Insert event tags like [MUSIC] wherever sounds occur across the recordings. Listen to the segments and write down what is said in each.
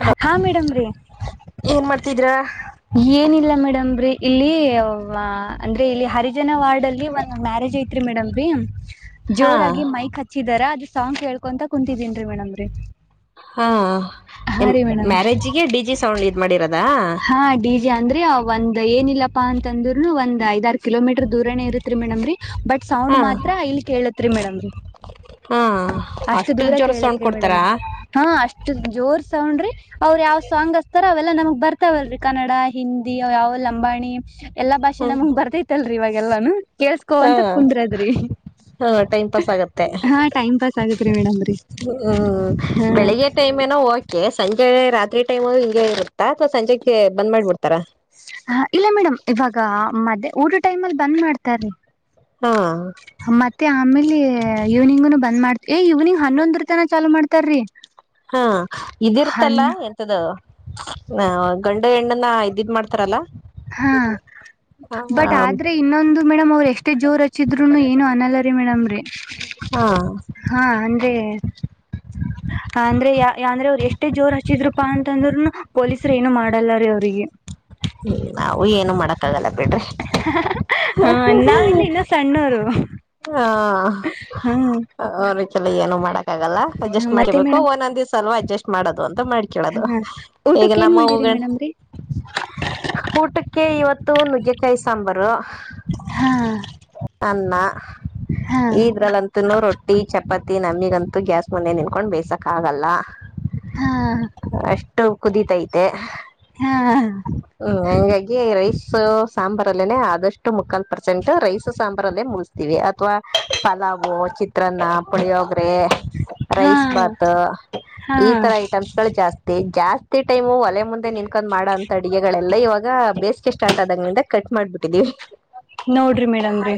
Hello ಹಾ madam ರೀ [UNINTELLIGIBLE] ಏನ್ ಮಾಡ್ತಿದ್ರ ಏನಿಲ್ಲ ಮೇಡಮ್ರಿ ರಿ ಇಲ್ಲಿ ಅಂದ್ರೆ ಇಲ್ಲಿ ಹರಿಜನ ವಾರ್ಡ್ ಅಲ್ಲಿ ಒಂದು್ ಮ್ಯಾರೇಜ್ ಐತಿ ಐತ್ರಿ ಮೇಡಮ ರೀ [UNINTELLIGIBLE] ಹಾ ಜೋರಾಗಿ ಮೈಕ್ ಹಚ್ಚಿದಾರ ಅದ್ ಸಾಂಗ್ ಕೇಳ್ಕೊಂತ ಕುಂತಿದೀನ್ ಮೇಡಮ್ರೀ ಹಾ ನಿ ಮ್ಯಾರೇಜಿಗೆ ಡಿಜಿ ಸೌಂಡ್ ಇದ್ ಮಾಡಿರೋದಾ ಹಾ ಡಿಜೆ ಅಂದ್ರೆ ಒಂದ್ ಏನಿಲ್ಲಪ್ಪಾ ಅಂತಂದ್ರುನು ಒಂದ್ ಐದಾರು ಕಿಲೋಮೀಟರ್ ದೂರನೇ ಇರುತ್ತೆ ರಿ ಮೇಡಮ್ ರೀ ಬಟ್ ಸೌಂಡ್ ಹಾ ಮಾತ್ರ ಇಲ್ ಕೇಳತ್ ಮೇಡಮ್ ರೀ ಹಾ ಅಷ್ಟು ದೂರ ಜೋರ್ ಸೌಂಡ್ ಕೇಳತ್ರಿ ಮೇಡಮ್ ಕೊಡ್ತಾರಾ ಹಾ ಅಷ್ಟು ಜೋರ್ ಸೌಂಡ್ರಿ ಅವ್ರು ಯಾವ್ ಸಾಂಗ್ ಹಸ್ತಾರ ಅವೆಲ್ಲಾ ನಮಗ್ ಬರ್ತ ಇತಾವಲ್ರಿ ಕನ್ನಡ ಹಿಂದಿ ಯಾವ ಲಂಬಾಣಿ ಎಲ್ಲಾ ಭಾಷೆ ಹ್ಮ್ ನಮಗ್ ಬರ್ತೈತ್ಲ್ರರಿ ಇವಾಗೆಲ್ಲಾನು ಕೇಸ್ಕೋ ಅಂತ ಕುಂದ್ರ ಅದ್ರಿ ಹಾ ಟೈಮ್ ಪಾಸ್ ಆಗತ್ತೆ ಟೈಮ್ ಪಾಸ್ ಆಗತ್ರಿ ಮೇಡಮ್ ರೀ ಹ್ಮ್ ಬೆಳಿಗ್ಗೆ ಟೈಮ್ ನ ಹೋಗಕೆ ಸಂಜೆ ರಾತ್ರಿ ಟೈಮ್ ಹಿಂಗೆ ಇರುತ್ತಾ ಅಥವಾ ಸಂಜೆ ಬಂದ್ ಮಾಡಿಬಿಡ್ತಾರ ಹ ಇಲ್ಲ ಮೇಡಮ್ ಇವಾಗ ಮದೆ ಊಟ ಟೈಮ್ ಅಲ್ಲಿ ಬಂದ್ ಮಾಡ್ತಾರೀ ಹಾ ಮತ್ತೆ ಆಮೇಲೆ ಈವ್ನಿಂಗ್ನು ಬಂದ್ ಮಾಡ್ತವಿ ಏ್ ಇವ್ನಂಗ್ ಹನ್ನೊಂದರ ತನ ಚಾಲು ಮಾಡ್ತಾರೀ ಹಾ ಇದಿರ್ತಲ್ಲ ದ ಗಂಡ ಹೆಣ್ಣನ ಇದಿದ್ ಮಾಡ್ತಾರಲ್ಲಾ ಹಾ ಬಟ್ ಆದ್ರೆ ಇನ್ನೊಂದು ಮೇಡಮ್ ಅವ್ರ ಎಷ್ಟೇ ಜೋರ್ ಹಚ್ಚಿದ್ರುನು ಏನು ಅನಲ್ಲ ರೀ ಮೇಡ್ ರೀ ಹಾ ಹಾ ಅಂದ್ರೆ [INAUDIBLE] ಅಂದ್ರೆ ಯ ಅಂದ್ರೆ ಅವರು ಎಷ್ಟೇ ಜೋರ್ ಹಚ್ಚಿದ್ರರುಪಾ ಅಂತಂದ್ರರುನು ಪೊಲೀಸರು ಏನು ಮಾಡಲ್ಲಾರೀ ಅವ್ರಿಗೆ ಹ್ಮ್ ನಾವು ಏನು ಮಾಡಕ್ಕ ಆಗಲ್ಲ ಬಿಡ್ರಿ ಹಾ ನಾವೆಲ್ಲಿ ಇನ್ನೊ ಸಣ್ಣೂರು ಹಾ ಅವ್ರ [UNINTELLIGIBLE] ಏನು ಮಾಡಕ್ಕಾಗಲ್ಲ ಅಡ್ಜಸ್ಟ್ ಮತ್ತೆ ಮಾಡ್ಕಬೇಕು ಮೇಡಮ್ ಒಂದೊಂದ್ ದಿವ್ಸ ಅಲ್ವಾ ಅಡ್ಜಸ್ಟ್ ಮಾಡೋದು ಅಂತ ಮಾಡ್ಕೇಳೋದು ಈಗ ಊಟಕ್ಕೆ ಏನ್ ನಮ್ಮ ಹೂ ಮಾಡಿರಿ ಮೇಡಮ್ ರೀ ಊಟಕ್ಕೆ ಇವತ್ತು ನುಗ್ಗೆಕಾಯಿ ಸಾಂಬಾರು ಹಾ ಅನ್ನ ಹಾ ಇದ್ರಲ್ಲಂತ ರೊಟ್ಟಿ ಚಪ್ಪ ಪತಿ ನಮಿಗಂತೂ ಗ್ಯಾಸ್ ಮನೆ ನಿನ್ಕೊಂಡು ಬೇಸಕ್ ಆಗಲ್ಲಾ ಹಾ ಅಷ್ಟು ಕುದೀತೈತೆ ಹಾ ಹ್ಮ್ ಹಂಗಾಗಿ ರೈಸ್ ಸಾಂಬಾರ ಅಲ್ಲೇನೆ ಆದಷ್ಟು ಮುಕ್ಕಾಲ್ ಪರ್ಸೆಂಟ್ ರೈಸ್ ಸಾಂಬಾರಲ್ಲೇ ಮುಗ ಅಥವಾ ಪಲಾವ್ ಚಿ ಚಿತ್ರನ್ನ, ಪುಳಿಯೋಗರೆೆ, ಹಾ ರೈಸ್ ಬಾತ್, ಹಾ ಈತರ ಐಟಮ್ಸ್ [UNINTELLIGIBLE] ಜಾಸ್ತಿ ಜಾಸ್ತಿ ಟೈಮು ಒಲೆ ಮುಂದೆ ನಿಂಕೊಂಡ್ ಮಾಡೊದ ಅಡಿಗೆಗಳೆಲ್ಲಾ ಇವಾಗ ಬೇಸಿಗೆ ಸ್ಟಾರ್ಟ್ ಆದಂಗನಿಂದ ಕಟ್ ಮಾಡ್ಬಿಟ್ಟಿದಿವಿ ನೋಡ್ರಿ ಮೇಡಮ್ ರಿ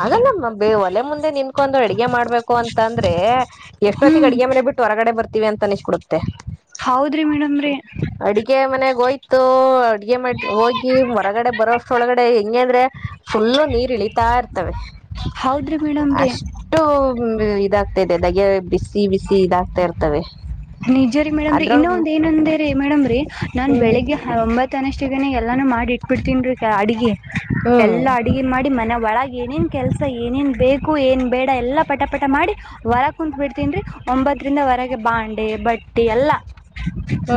ಆಗಲ್ಲಮ್ಮಬ್ಬೇ ಒಲೆ ಮುಂದೆ ನಿನ್ಕೊಂಡು ಅಡಗೆ ಮಾಡ್ಬೇಕು ಅಂತಂದ್ರೇ ಎಷ್ಟೊತ್ತಿಗೆ ಹ್ಮ್ ಅಡಿಗೆ ಮನೆ ಬಿಟ್ಟು ಹೊರಗಡೆ ಬರ್ತಿವಿ ಅಂತ ಅನಿಶ್ಬಿಡುತ್ತೆ ಹೌದ್ರಿ ಮೇಡಮ್ರೀ ಅಡಿಗೆ ಮನೆಗ್ ಹೊಯ್ತೊ ಅಡಿಗೆ ಮಾಡ್ ಹೋಗಿ ಹೊರಗಡೆ ಬರೋಸ್ಟ್ ಒಳಗಡೆ ಹೆಂಗೆ ಅಂದ್ರೆ ಫುಲ್ಲು ನೀರ್ ಇಳಿತಾ ಇರ್ತವೆ ಹೌದ್ರಿ ಮೇಡಮ್ ರೀ ಅಷ್ಟು ಮ್ ಇದಾಗ್ತಾ ಇದೆ ದಗೆ ಬಿಸಿ ಬಿಸಿ ಇದಾಗ್ತಾ ಇರ್ತವ ನಿಜ ರೀ ಮೇಡಮ್ರಿ ಇನ್ನೊ ಒಂದ್ ಏನಂದೇ ರೀ ಮೇಡಮ್ರಿ ನಾನ್ ಹ್ಮ್ ಬೆಳಿಗ್ಗೆ ಒಂಬತ್ತನಷ್ಟಿಗೆನ ಎಲ್ಲಾನು ಮಾಡಿ ಇಟ್ಬಿಡ್ತಿನ್ರಿ ಅ ಅಡಿಗಿ ಹ್ಮ್ ಎಲ್ಲಾ ಅಡಿಗಿ ಮಾಡಿ ಮನೆವಾ ಅ ಏನೇನು ಕೆಲಸ ಏನೇನು ಬೇಕು ಏನ್ ಬೇಡ ಎಲ್ಲಾ ಪಟ ಪಟ ಮಾಡಿ ವರಗ್ ಕುಂತ್ ಬಿಡ್ತೀನ್ರಿ ಒಂಬತ್ತರಿಂದ ವರಗೆ ಬಾಂಡೆ ಬಟ್ಟೆ ಎಲ್ಲ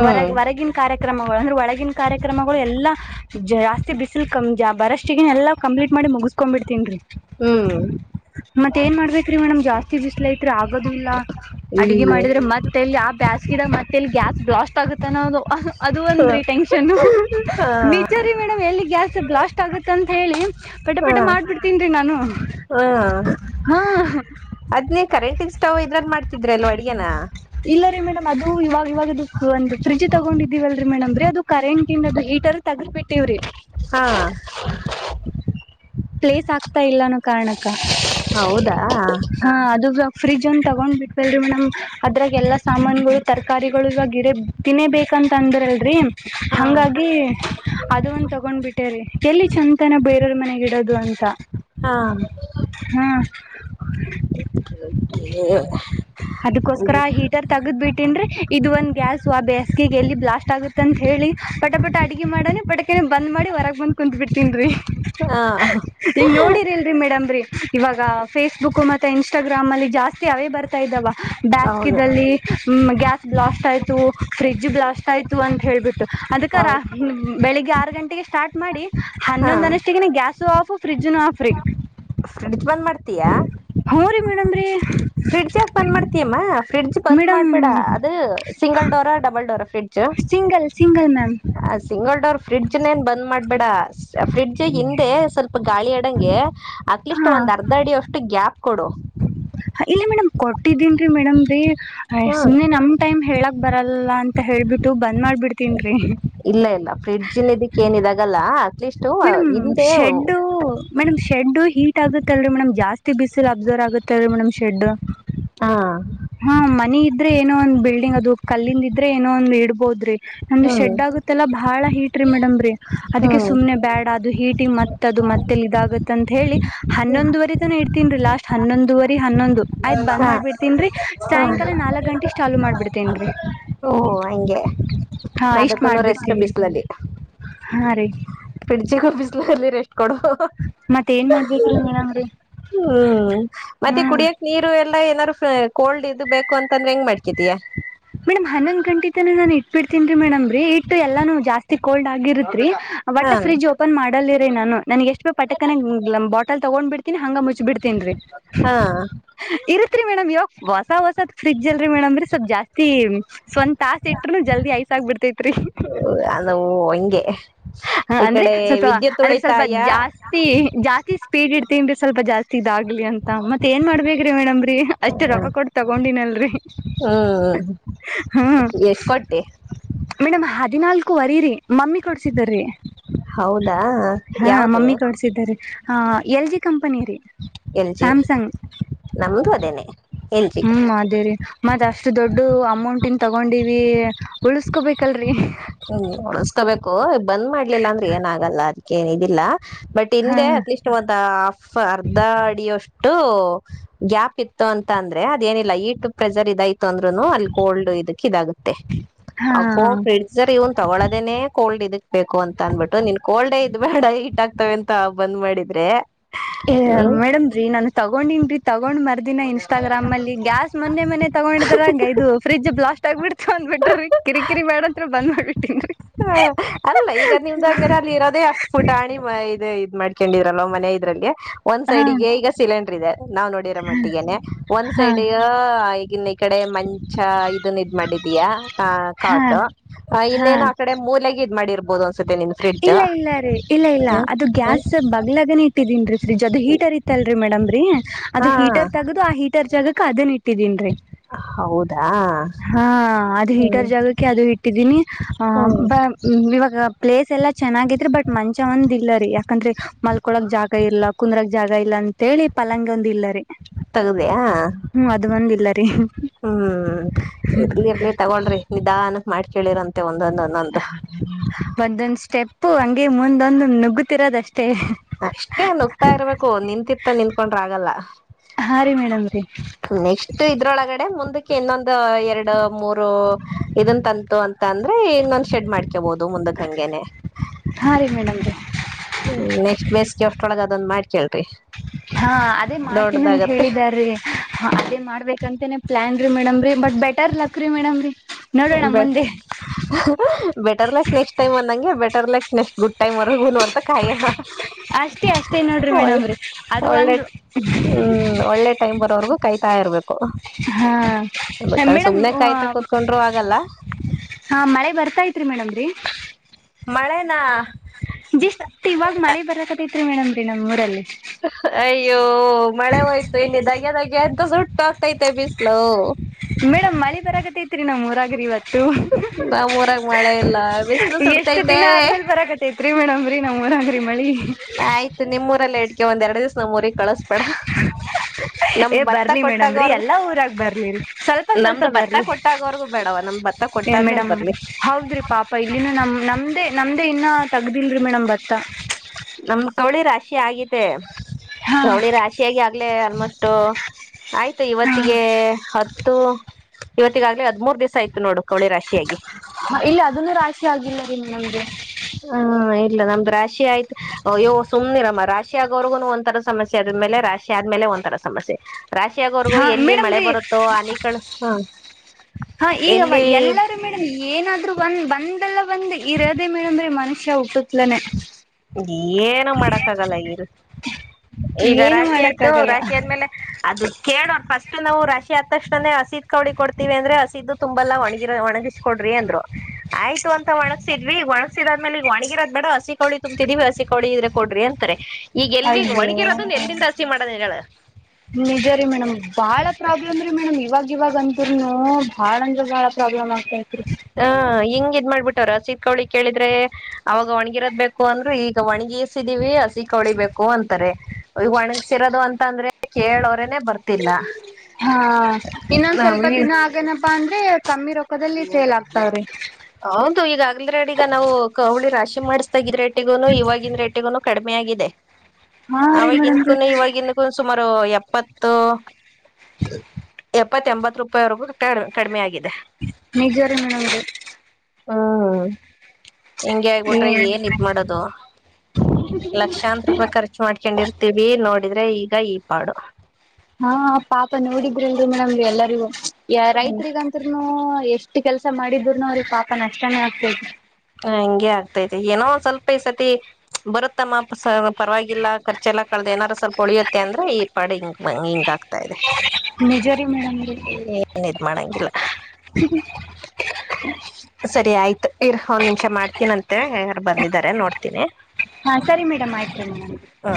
ಹೊರ ಹೊರಗಿನ್ ಕಾರ್ಯಕ್ರಮಗಳು ಅಂದ್ರೆ ಒಳಗಿನ್ ಕಾರ್ಯಕ್ರಮಗಳು ಎಲ್ಲಾ ಜಾಸ್ತಿ ಬಿಸಿಲ್ ಕಂ ಜ ಬರಷ್ಟಿಗೆನೆ ಎಲ್ಲಾ ಕಂಪ್ಲೀಟ್ ಮಾಡಿ ಮುಗಿಸ್ಕೊಂಡ್ ಬಿಡ್ತೀನ್ರಿ ಹ್ಮ್ ಮತ್ ಏನ್ ಮಾಡ್ಬೇಕ್ರಿ ಮೇಡಮ್ ಜಾಸ್ತಿ ಬಿಸ್ಲ ಐತ್ರಿ ಆಗದು ಇಲ್ಲಾ ಅಡಿಗೆ ಇಲ್ಲಿಗೆ ಮಾಡಿದ್ರೆ ಮತ್ತೆಲ್ಲಿ ಆ ಬ್ಯಾಸಿದಾಗ ಮತ್ತೆಲ್ಲಿ ಗ್ಯಾಸ್ ಬ್ಲಾಸ್ಟ್ ಆಗುತ್ತೆನ್ನೊದು ಅದು ಹ ಒಂದ್ರೀ ಟೆನ್ಷನ್ ನಿಜ ರೀ ಮೇಡಮ್ ಎಲ್ಲಿ ಗ್ಯಾಸ್ ಬ್ಲಾಸ್ಟ್ ಆಗತಂತ್ ಹೇಳಿ ಪಟ ಹ ಪಟ ಮಾಡ್ಬಿಡ್ತೀನರಿ ನಾನು ಹಾ ಅದ್ನೇ ಕರೆಂಟಿಂಗ್ ಸ್ಟೌವ್ ಇದ್ರಲ್ ಮಾಡ್ತಿದ್ರಿ ಅಲ್ವಾ ಅಡ್ಗೇನ ಇಲ್ಲ ರೀ ಮೇಡಮ್ ಅದು ಇವಾಗ ಇವಾಗ ಫ್ರಿಜ್ ತಗೊಂಡಿದ್ದೀವಲ್ರರಿ ಮೇಡಮ್ ರೀ ಅದು ಕರೆಂಟ್ ಇನದು ಹೀಟರ್ ತಗ್ದ ಬಿಟ್ಟೀವ್ರಿ ಹಾ ಪ್ಲೇಸ್ ಆಗ್ತಾ ಇಲ್ಲಾನೂ ಕಾರಣಕ್ಕಾ ಹೌದಾ ಹಾ ಅದುಾಗ ಫ್ರಿಜ್ ಅಂದ ತಗೊಂಡ್ ಬಿಟ್ವಲ್ರಿ ಮೇಡಮ್ ಅದ್ರಾಗ ಎಲ್ಲಾ ಸಾಮಾನುಗಳು ತರಕಾರಿಗಳು ಇವಾಗ ಗಿಡ ತಿನೇ ಬೇಕಂತ ಅಂದ್ರಲ್ರರಿ ಹಾ ಹಂಗಾಗಿ ಅದು ಒಂದು ತಗೊಂಡ್ಬಿಟ್ಟೇರಿೀ ಎಲ್ಲಿ ಚಂದನ ಬೇರೆಯವ್ರ ಮನೆಗ ಇಡೋದು. [UNINTELLIGIBLE] ಹಾ ಹ್ಮ [UNINTELLIGIBLE] ಅದಕ್ಕೋಸ್ಕರ ಅಂದ್ರೆ ಹೀಟರ್ ತಗದ್ ಬಿಟ್ಟಿನ್ರೀ ಇದು ಒಂದ್ ಗ್ಯಾಸು ಅ ಬ್ಯಾಸ್ಗೆಗೆ ಎಲ್ಲಿ ಬ್ಲಾಸ್ಟ್ ಆಗುತಂತ್ಹೇಳಿ ಪಟ ಪಟ ಅಡಗೆ ಮಾಡನ ಪಟಕ್ಕನೆ ಬಂದ್ ಮಾಡಿ ಹೊರಗ್ ಬಂದ್ ಕುಂತ್ ಬಿಡ್ತಿನ್ ರೀ ಹಾ ಈಗ ನೋಡಿರಿಲ್ರರಿ ಮೇಡಮ್ರೀ ಇವಾಗ ಫೇಸ್ಬುಕ್ ಮತ್ತೆ ಇನ್ಸ್ಟಾಗ್ರಾಮ್ ಅಲ್ಲಿ ಜಾಸ್ತಿ ಅವೇ ಬರ್ತೇ ಇದ್ದಾವ ಹೌದು ಬ್ಯಾಸ್ಕಿದಲ್ಲಿ ಮ್ ಗ್ಯಾಸ್ ಬ್ಲಾಸ್ಟ್ ಆಯ್ತು ಫ್ರಿಡ್ಜ್ ಬ್ಲಾಸ್ಟ್ ಆಯ್ ಒಂದ್ ಹೇಳ್ಬಿಟ್ಟು ಅದಕ ರಾ ಹೌದು ಬೆಳಿಗ್ಗೆ ಆರು ಗಂಟೆಗೆ ಸ್ಟಾರ್ಟ್ ಮಾಡಿ ಹಾ ಹನ್ನೊಂದ್ ಅನಷ್ಟಿಗಿನ ಗ್ಯಾಸು ಆಫು ಫ್ರಿಜ್ನು ಆಫ್ ರಿ ಫ್ರಿಡ್ಜ್ ಬಂದ್ ಮಾಡ್ತೀಯಾ? ಹು ರಿ ಮೇಡಂ ರಿ ಫ್ರಿಜ್ ಯಾಕ ಬಂದ ಮಾಡ್ತೀಿಯಮ್ಮ ಫ್ರಿಡ್ಜ್ ಮೇಡಮ್ ಬಂದ್ಬೇಡ ಅದು single door double door fridge. Single single ma'am. Single door ಫ್ರಿಡ್ಜ್ನಏನ್ ಬಂದ್ ಮಾಡ್ಬೇಡ ಫ್ರಿಡ್ಜ ಹಿಂದೆ ಸ್ವಲ್ಪ ಗಾಳಿ ಆ ಅಂದಗ್ಗೆ ಅಕ್ಲಸ್ಟ್ ಹಾ ಒಂದ್ ಅರ್ಧ ಅಡಿ ಅಷ್ಟು ಗ್ಯಾಪ್ ಕೊಡು. [INAUDIBLE] ಇಲ್ಲ ಮೇಡಮ್ ಕೊಟ್ಟಿದ್ದೀನ್ರಿ ಮೇಡಮ ರೀ ಎ ಹ ಸುಮ್ನೆ ನಮ ಟೈಮ್ ಹೇಳಕ್ ಬರಲ್ಲ ಅಂತ ಹೇಳೇಳ್ಬಿಟ್ಟು ಬಂದ್ ಮಾಡ್ಬಿಡ್ತನ್ರಿ ಇಲ್ಲ ಇಲ್ಲ ಫ್ರಿಡ್ಜ್ಲ್ ಇದಕ್ಕೆ ಏನಿದಾಗಲ್ಲ ಅಟ್ಲೀಸ್ ಮೇಡಮ್ ಹಿಂದೆ ಶೆಡ್ ಮೇಡಮ್ ಶೆಡು ಹೀಟ್ ಆಗುತ್ತಲ್ರರಿ ಮೇಡಮ್ ಜಾಸ್ತಿ ಬಿಸಿಲ್ ಅಬ್ಸರ್ವ್ ಆಗುತ್ತಲ್ರಿ ಮೇಡಮ್ ಶೆಡ್ ಹ್ಮ್ ಹಾ ಮನ ಇದ್ದ ಇದ್ರೆ ಏನೋ ಒಂದ್ ಬಿಲ್ಡಿಂಗ್ ಅದು ಕಲ್ಲಿಂದ ಇದ್ರೆ ಏನೋ ಒಂದ ಇಡ್ಬೋದ್ರಿ. ನಮ್ಮೂ ಶೆಡ್ ಆಗುತ್ತಲ್ಲಾ ಬಾಳ ಹೀಟ್ ರಿ ಮೇಡಮ್ರೀ ಅದಕ್ಕೆ ಹ್ಮ್ ಸುಮ್ನೆ ಬ್ಯಾಡ್ ಅದು ಹೀಟಿಂಗ್ ಮತ್ತ ಅದು ಮತ್ತೆಲ್ಲಿ ಇದಾಗತ್ತ ಅಂತ ಹೇಳಿ ಹನ್ನೊಂದುವರೆ ತನ ಇ ಹುನ್ರಿ ಲಾಸ್ಟ್ ಹನ್ನೊಂದುವರಿ ಹನ್ನೊಂದು ಆಯ್ತ್ ಬಂದ್ ಹಾ ಮಾಡ್ಬಿಡ್ತೀನ್ ರೀ ಹ್ಮ್ ಸಾಯಂಕಾಲ ನಾಲ್ಕಕ್ ಗಂಟೆ ಚಾಲು ಮಾಡಿಬಿಡ್ತೇನ ರೀ. ಓ ಹಂಗೆ ಇಷ್ಟ್ ಅದಕ್ಕ ರೆಸ್ಟ್ ಮಾಡ್ಬಿಡ್ತೇನ್ರಿ ಬೀಿಸಲಲ್ಲಿ. ಹಾ ರೀ ಫ್ರಿಜ್ ಗು ಬಿಸಲ್ಲಿ ರೆಷ್ಟ ಕೊಡು. ಮತ್ ಏನ್ ಮಾಡ್ಬೇಕ್ರಿ [UNINTELLIGIBLE] ಮೇಡಮ್ರೀ ಹ್ಮ್ ಮತ್ತೆ ಹ್ಮ್ ಕುಡಿಯಕ್ಕೆ ನೀರು ಎಲ್ಲಾ ಏನಾದ್ರು ಕೋಲ್ಡ್ ಇದು ಬೇಕು ಅಂತಂದ್ರೆ ಹೆಂಗ ಮಾಡ್ಕಿದೀಯಾ. ಮೇಡಮ ಹನ್ನೊಂದ್ ಗಂಟೆ ತನ ನಾನ್ ಇಟ್ಬಿಡ್ತೀನ್ ರೀ ಮೇಡಮ್ ರೀ ಇಟ್ಟು ಎಲ್ಲಾನ ಜಾಸ್ತಿ ಕೋಲ್ಡ್ ಆಗಿರತ್ರಿ. ವಟ ಹಾ ಫ್ರಿಜ್ ಓಪನ್ ಮಾಡಲ್ರಿ ನಾನು ನನ್ಗೆ ಎಷ್ಟ ಪಟಕನ ಬಾಟಲ್ ತಗೊಂಡ್ ಬಿಡ್ತೀನಿ ಹಂಗ ಮುಚ್ಬ ಬಿಿಡ್ತನ್ರಿ ಹಾ [UNINTELLIGIBLE] ಇರತ್ರಿ ಮೇಡಮ್ ಇವಾಗ ಹೊಸ ಹೊಸದ ಫ್ರಿಜ್ ಅಲ್ರರಿ ಮೇಡಮ್ ಸ್ವಲ್ ಜಾಸ್ತಿ ಸ್ವಂತ ತಾಸ ಇಟ್ರು ಜಲ್ದಿ ಐಸ್ ಆಗ್ಬಿಡ್ತೇತ್ರಿ. ಅದು ವಂಗೆ ಹ ಅಂದ್ರೆ ಸ್ವಲ್ಪ ಅಂದ್ರೆ ಸ್ವಲ್ಪ ಜಾಸ್ತಿ ಜತಿ ಜಾಸ್ತಿ ಸ್ಪೀಡ್ ಇಡ್ತನ್ರೀ ಸ್ವಲ್ಪ ಜಾಸ್ತಿ ಇದಾಗ್ಲಿ ಅಂತ ಮತ್ತ ಏನ್ ಮಾಡ್ಬೇಕೇ್ರಿ ಮೇಡಮ್ರೀ. ಅಷ್ಟೇ ರೊಕ್ಕ ಕೊಟ್ಟ ತಗೊಂಡಿನಲ್ರರಿ. ಹೌದ.... ಹ್ಮ್ [INAUDIBLE] ಮೇಡಮ್ ಹದಿನಾಲ್ಕ ವರಿ ರರಿ ಮಮ್ಮಿ ಕೊಡ್ಸಿದ್ರಿ. ಹೌದಾ [INAUDIBLE] ಯಾವ್ದ. [UNINTELLIGIBLE] ಎಲ್ ಜಿ ಕಂಪನಿ ರೀ ಎಲ್ ಜಿ ಸ್ಯಾಮ್ಸಂಗ್ ನಮ್ದು ಅದೇನೆ ಎಲ್ ಜಿ ಹ್ಮ್ ಅದೇ ರೀ ಮ ಅಷ್ಟು ದೊಡ್ಡ ಅಮೌಂಟನ್ ತಗೊಂಡಿವಿ ಉಳಸ್ಕೊಬೇಕಲ್ರರಿ ಹ್ಮ್ ಉಳಸ್ಕೋಬೇಕು ಬಂದ್ ಮಾಡ್ಲಿಲ್ಲ ಅಂದ್ರೆ ಏನ ಆಗಲ್ಲ ಅದಕ್ಕ ಏನ್ ಇದ ಇಲ್ಲ ಬಟ್ ಹಾ ತಿಂದೆ ಅಟ್ಲಿ ಒಂದು ಹಫ್ ಅರ್ಧ ಅಡಿಯಷ್ಟು ಗ್ಯಾಪ್ ಇತ್ತು ಅಂತ ಅಂದ್ರೆ ಅದೇನಿಲ್ಲ ಈಟ್ ಪ್ರೆಸರ್ ಇದಾಯ್ತು ಅಂದ್ರುನು ಅಲ್ಲಿ ಕೋಲ್ಡ್ ಇದಕ್ ಇದಾಗುತ್ತೆ ಹಾ ಆ ಕೋಡ್ ಸರ್ ಇವನ್ ತಗೊಳದೇನೆ ಕೋಲ್ಡ್ ಇದಕ್ ಬೇಕು ಅಂತ ಅಂದ್ಬಿಟ್ಟು ನಿನ್ ಕೋಲ್ಡ್ ಇದ್ ಬೇಡ ಹಿಟ್ ಆಗ್ತವೆ ಅಂತ ಬಂದ್ ಮಾಡಿದ್ರೆ ಏ........ ಹ್ಮ್ ಮೇಡಮ್ ರೀ ನಾನು ತಗೊಂಡನ್ ರೀ ತಗೊಂಡ್ ಮರ್ದಿನ ಇನ್ ಇನ್ಸ್ಟಾಗ್ರಾಮ್ ಅಲ್ಲಿ ಗ್ಯಾಸ್ ಮೊನೆ ಮನೆ ತಗೊಂಡಿದ್ರರಂಗ ಇದು ಪ್ರಿಜ ಬ್ಲಾಸ್ಟ ಆಗ್ಬಿಡ್ತ ಅಂದ್ಬಟ್ರುರಿ ಕಿರಿಕಿರಿ ಬೆಡಂತ್ರ ಬಂದ್ ಮಾಡ್ಬಿಟ್ಟೀನ್ರಿ ಹ ಅಲ್ಲ ಈಗ ನಿಮ್ದಂಗರೆ ಅಲ್ಲಿ ಇರೋದೆ ಅಷ್ಟು ಪುಟ ಇದು ಇದ್ ಮಾಡ್ಕೊಂಡಿದ್ರಲ್ವ ಮನೆ ಇದ್ರಲ್ಲಿ ಒಂದ್ ಹಾ ಸೈಡ್ಗೆ ಈಗ ಸಿಲಿಂಡರ್ ಇದೆ ನಾವ್ ನೋಡಿರ ಮ ಮಟ್ಟಗನೆ ಒಂದ್ ಹಾ ಸೈಡ್ ಈಗಿನ ಈ ಕಡೆ ಮಂ ಚಾ ಇದನ್ ಇದ್ ಮಾಡಿದೀಯಾ ಅ ಹಾ ಕಾಟು ಹಾ ಇನ್ನೇನು ಆಕಡೆ ಡಿ ಮೂಲೆಗ್ ಇದ್ ಮಾಡಿರಬದು ಅಸ ಇಲ್ಲ ಇಲ್ಲ ರೀ ಇಲ್ಲ ಇಲ್ಲ ಅದು ಗ್ಯಾಸ್ ಬಗ್ಲಗನೇ ಇಟ್ಟಿದೀನ್ರಿ ಫ್ರಿಜ್ ಅದು ಹೀಟರ್ ಇ [UNINTELLIGIBLE] ಮೇಡಮ್ ರಿ ಅದು ಹಾ ಹೀಟರ್ ತಗದು ಆ ಹೀಟರ್ ಜಗಕ ಅದನ್ ಇಟ್ಟಿದೀನ್ರೀ... ಹೌದಾ...... ಹಾ ಅದು ಹ್ಮ್ ಹೀಟರ್ ಜಾಗಕ್ಕೆ ಅದು ಇಟ್ಟಿದ್ದೀನಿ ಆ ಹ್ಮ್ ಬ.. ಹ್ಮ ಇವಾಗ ಪ್ಲೇಸ್ ಎಲ್ಲಾ ಚೆನ್ನಾಗಿದ್ರ ಬಟ್ ಮಂಚ ಒಂದ ಇಲ್ಲ ರೀ ಯ ಯಾಕಂದ್ರೆ ಮಲ್ಕೊಳಕ್ ಜಾಗ ಇಲ್ಲ ಕುಂದ್ರಕ ಜಾಗ ಇಲ್ಲ ಅಂತೇಳಿ ಪಲಂಗ ಒಂದ ಇಲ್ಲರಿ ತಗದಯಾ....... ಇಲ್ಲ ರೀ ಹ್ಮ್ ಹ್ಮ್ ಇರ್ಲಿ ಇರ್ಲಿ ತಗೋಳ್ರಿ ನಿಧಾನಕ್ ಮಾಡ್ಕೇಳಿರಂತೆ ಒಂದೊಂದ...... [UNINTELLIGIBLE] ಒಂದೊಂದ್ ಸ್ಟೆಪ್ ಹಂಗೆ ಮುಂದೊಂದು ನುಗ್ಗತಿರೋದಷ್ಟೇ.. ಅಷ್ಟೇ ನುಗ್ತಾ ಇರ್ಬೇಕು ನಿಂತಿರ್ತ ನಿಂತಕೊಂಡ್ರ ಆಗಲ್ಲ... ಹಾ ರೀ ಮೇಡಮ್ ರೀ [UNINTELLIGIBLE] ನೆಕ್ಸ್ಟ್ ಇದ್ರೊಳಗಡೆ ಮುಂದಕ್ಕೆ ಇನ್ನೊಂದು... ಎರಡು ಮೂರು ಇದನ್ ಅಂತು ಅಂತ ಅಂದ್ರೆ ಇನ್ನೊಂದ ಶೆಡ್ ಮಾಡ್ಕಬಹುದು ಮುಂದಕ್ ಹಂಗೆನೆ...... ಹಾರಿ ಮೇಡಮ್ ರಿ... ಹ್ಮ ನೆಕ್ಸ್ಟ್ ಬೇಸ್ಗೆ ಅಷ್ಟೊಳಗ ಅದ್ ಮಾಡಿಕೇಳ್ಳಿರಿ... ಹಾ ಅದೇ ಮಾಡ್ತೀನ ಅಂತ ಹೇಳಿದಾರೀ...... ಹಾ ಅದೇ ಮಾಡ್ಬೇಕಂತೇನೆ ಪ್ಲಾನ್ ರೀ ಮೇಡಮರಿ ಬಟ್ ಬೆಟರ್ ಲಕ್ ರೀ ಮೇಡಮ್ರರಿ. ಬ ಹಾ ಹ ಬೆಟರ್ ಲಕ್ ನೆಕ್ಸ್ಟ್ ಟೈಮ್ ಅಂದಂಗೆ ಬೆಟರ್ ಲೈಕ್ ನೆಕ್ಸ್ಟ್. ಗುಡ್ ಟೈಮ್ಗುರನು ಅಂತ ಕಾಯೋಕ ಅಷ್ಟೇ ಅಷ್ಟೇ ನೋಡ್ರಿ ಮೇಡಮ್ ರಿ..... ಒಳ್ಳೆ ಹ್ಮ್ ಒಳ್ಳೆ ಟೈಮ್ ಬರೋವರ್ಗೂ ಕಾಯಾತಾ ಇರ್ಬೇಕು. ಹಾ ಬಟ್ಟ ಮೇಡಮ್ ಸುಮ್ನೆ ಕಾಯ್ತಾ ಕುತ್ಕೊಂಡ್ರು ಆಗಲ್ಲ. ಹಾ ಮಳೆ ಬರ್ತಾ ತ್ರಿ ಮೇಡಮ್ರೀ. ಮಳೆನಾ........ ಜಸ್ಟ್ ಇವಾಗ ಮಳೆ ಬರಕತೈತ್ರಿ ಮೇಡಮ ರೀ ನಮ್ಮ್ ಊರಲ್ಲಿ. ಅಯ್ಯೋ ಮಳೆ ಹೋಯ್ತು ಇಲ್ಲಿ ಧಗ್ಗೆ ಧಗ್ಗೆ ಎಂತ ಸುಟ್ಟು ಹೋಗ್ತೈತೆ ಬಿಸ್ಲು. ಮೇಡಮ್ ಮಳಿ ಬರತ್ತೈಐತ್ರಿ ನಮ್ಮೂರಗ್ರರಿ ಇವತ್ತು. ನಮ್ಮೂರಾಗ ಮಳೆ ಇಲ್ಲ ಬಿಸ್ಲು ಎಷ್ಟು ಸುಡ್ತೈತೆ ದಿನ ಆದ್ಮೇಲೆ ಬರಕತೈತಿ. ಆಗ್ತಾಯಿತ್ರಿ ಮೇಡಮ್ ರೀ ನಮ್ಮ್ಊರಗ್ರರಿ ಮಳಿ. ಆಯ್ತು ನಿಮ್ಮೂರಲ್ಲೇ ಇಡ್ಕ ಒಂದ ಎರಡ್ ದಿವ್ಸ ನಮ್ಮೂರ್ ಗೆ ಕಳಸ್ಬೇಡ. ನಮ್ಮ ಏ ಭತ್ತ ಬರ್ಲಿ ಮೇಡಮ್ ರೀ ಕೊಟ್ಟಾಗವರ್ಗು ಎಲ್ಲಾ ಊರಾಗ ಬರ್ಲಿ ರೀ ಸ್ವಲ್ಪ ಸ್ವಲ್ಪ ನಮ್ದು ಭತ್ತ ಬರ್ಲಿ ಕೊಟ್ಟಾಗವರ್ಗೂ ಬೇಡವ ನಮ್ಮ ಭತ್ತ. ಏ ಕೊಟ್ಟಾದ್ಮೇಲೆ ಮೇಡಮ್ ಬರ್ಲಿ. ಹೌದ್ರಿ ಪಾಪ ಇಲ್ಲಿನ ನಮ ನಮ್ದೇ ನಮ್ದೇ ಇನ್ನ ತಗ್ದಿಲ್ರರಿ ಮೇಡಮ್ ಭತ್ತ. ನಮ ಕವಳಿ ರಾಶಿ ಆಗಿದೆ ಹಾ ಕವಳಿ ರಾಶಿ. ಗ ಆಗ್ಲೇ ಆಲ್ಮೋಸ್ಟ್ ಆಯ್ತು ಇವತ್ತಿಗೆ ಇವತ್ತೀಗಾಗ್ಲೇ ಹದ್್ಮೂರ್ ದಿವಸ ಆಯ್ತು ನೋಡು ಕೌಳಿ ರಾಶಿಯಾಗಿ ಹ ಇಲ್ಲ ಅದನ್ನು ರಾಶಿ ಆಗಿಲ್ಲ ರನ್ ನಮ್ಗೆ ಹ್ಮ ಇಲ್ಲ ನಮ್ದು ರಾಶಿ ಆಯ್ತು ಯ ಸುಮ್ನೆಿರಮ್ಮ ರಾಶಿ ರಾಶಿ ಆಗೋರ್ಗೂ ಒಂಥರ ಸಮಸ್ಯೆ ಆದ್ಮೇಲೆ ರಾಶಿ ಆದ್ಮೇಲೆ ಒಂಂತರ ಸಮಸ್ಯೆ ರಾಶಿಯ ಆಗವರೆಗೂ ಹಾ ಎಲ್ಲಿ ಮೇಡಮ್ ಮಳೆ ರೀ ಬರುತ್ತೋ ಅನಿ ಕ ಹ ಹಾ ಈಗವ ಎಲ್ಲಿ- ಎಲ್ಲಾರೂ ಮೇಡಮ್ ಏನಾದ್ರು ಒಂದ್ ಬಂದಲ್ಲ ಒಂದ್ ಇರದೆೇ ಮೇಡಮ್ರೀ ಮನುಷ್ಯ ಹುಟ್ಟುತ್ಲಾನನೆ- ಏನ ಮಾಡಕ್ಕ ಆಗಲ್ಲ ಈರ್- ಈಗ ಏನು ರಾಶಿ ಮಾಡಕ್ ಆಯ್ತು ಆಗಲ್ಲ ರಾಶಿ ಆದಂದ್ಮೇಲೆ ಅದು. ಕೇಳೋ್ರ ಫಸ್ಟ್ ನಾವು ರಾಶಿ ಆದತ್ತಕ್ಷಣನೇ ಹಸಿದ್ ಕೌಡಿ ಕೊಡ್ತಿೀವಿ ಅಂದ್ರೆ ಹಸಿದು ತುಂಬೆಲ್ಲ ಒಣಗಿ ಒಣಗಿಸ್ ಕೊಡ್ರಿ ಅಂದ್ರು. ಆಯ್ತು ಅಂತ ಒಣಗ್ಸಿದ್ವಿ ಒಣಗಸಿದಾದ್ಮೇಲೆಗ್ ಒಣಗಿರದ್ ಬೇಡ ಹಸಿ ಕೋಳ. ತುಂಬತಿದೀವಿ ಹಸಿ ಕೊಡಿ ಇದ್ರೆ ಕೊಡ್ರಿ ಅಂತಾರೆ ಈಗ ಎಲ್ಲಿ ಅಯ್ಯೋ ಒಣಗಿರೋದನ್ನ ಎಲ್ಲಿಂದ ಹಸಿ ಮಾಡೋದೇ ಹೇಳು. ನಿಜ ರೀ ಮೇಡಮ್ ಬಾಳ ಪ್ರಾಬ್ಲಮ ರೀ ಮೇಡಮ್ ಇವಾಗ. ಇವಾಗಂತರ್ನು ಬಾಳ ಅಂದ್ರೆ ಬಾಳ ಪ್ರಾಬ್ಲಮ್ ಆಗ್ತಾತೈತ್ರಿ. ಹ ಹಿಂಗ್ ಇದ್ ಮಾಡ್ಬಿಟ್ಟವ ರಸೀತ್ ಕೌಳಿ ಕೇಳಿದ್ರೆ. ಅವಾಗ ಒಣ್ಗಿರೋದ್ ಬೇಕು ಅಂದ್ರೆ ಈಗ ಒಣ್ಗಿಸಿದೀವಿ ಹಸಿ ಕಳಿಬೇಕು ಅಂತಾರೆ. ಈಗ ಒಣಗಸರೋದು ಅಂತ ಅಂದ್ರೆ ಕೇಳೋರನೆ ಬರ್ತಿಲ್ಲ. ಹಾ ಇನ್ನೊಂದ್ ನಾವ್ ಸ್ವಲ್ಪ ಈ ದಿನ ಆಗೇನಪಾ ಅಂದ್ರೆ ಕಮ್ಮಿ ರೊಕ್ಕದಲ್ಲಿ ಸೇಲ್ ಆಗ್ತಾವ್ರಿ. ಹೌದು ಈಗಾಗಗ್ಲ್ರಡ್ ಈಗ ನಾವು ಕವಳಿ ರಾಶಿ ಮಾಡಿಸಸತಾಗಿದ ರೇಟಿಗೂನು ಇವಾಗಿನ ರೇಟಿಗೂನು ಕಡಿಮೆ ಆಗಿದೆ. ಹಾ ರೀ ಅವವಾಗಿಕು ಮೇಡಮ್ರೀ ದಕೂನು ಇವವಾಗಿಂದಕ್ಕೂ ಸುಮಾರು ಎಪ್ಪತ್ತು. ಎಪ್ಪತ್ತ ಎಂಬತ್ ರೂಪಾಯಿವರೆಗೂ ಕಡಿಮೆ ಆಗಿದೆ ನಿಜವರ ಮೇದು ಹ್ಮ ಹಿಂಗಗೆ ಆಗ್ಬಿಟ್ರೆ ಏ ಏನ್ ಇದ್ ಮಾಡೋದು ಲಕ್ಷಾಂತ ರೂಪಾಯಿ ಖರ್ಚು ಮಾಡ್ಕೊಂಡಿರ್ತ ವಿ ನೋಡಿದ್ರೆ ಈಗ ಈ ಪಾಡು ಹಾ ಪಾಪ ನೋಡಿದ್ರಿಲ್ರಿ ಮೇಡಮ್ ಎಲ್ಲರಿಗೂ ರೈತ್ರಿಗಂತ ನು ಎಷ್ಟು ಕೆಲ್ಸ ಮಾಡಿದ್ರರುನು ಅವ್ರಿಗೆ ಪಾಪ ನಷ್ಟನೇ ಆಗ್ತೇ ಹ ಹಂಗೆ ಆಗ್ತೈತೆ ಏನೋ ಒಂದ್ ಸ್ವಲ್ಪ ಈ ಸತಿ ಬರುತ್ತಮ್ಮ ಪರವಾಗಿಲ್ಲ ಖರ್ಚೆಲ್ಲ ಕಳ್ದ ಏನಾರೂ ಸ್ವಲ್ಪ ಹೊಳಿಯುತ್ತೆ ಅಂದ್ರೆ ಈ ಪಾ ಹಿಂಗ ಹಿಂಗ ಆಗ್ತ ಆರ್ತಾ ಇದೆ ನಿಜರಿೀ ಮೇಡಮೀ ನಿರ್ಮಂಗಿಲ್ಲ ಹ್ಮ ಸರಿ ಆಯ್ತು ಇರ್ ಒಂದ್ ನಿಮಿಷ ಮಾಡ್ತೀನಂತೆ ಯಾರು ಬಂದಿದಿದ್ದಾರೆ ನೋಡ್ತೀನಿ ಹಾ ಸರಿ ಮೇಡಮ್ ಆಯ್ತುೇ ಹಾ